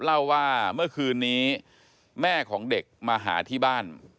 เล่าว่าเมื่อคืนนี้แม่ของเด็กมาหาที่บ้าน